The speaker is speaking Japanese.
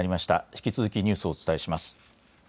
引き続きニュースをお伝えします。